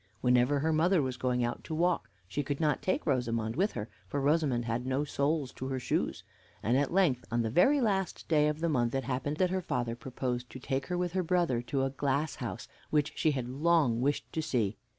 Whenever her mother was going out to walk, she could not take Rosamond with her, for Rosamond had no soles to her shoes; and at length, on the very last day of the month, it happened that her father proposed to take her with her brother to a glass house, which she had long wished to see.